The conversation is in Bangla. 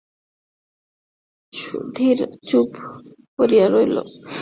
সুধীর চুপ করিয়া রহিল।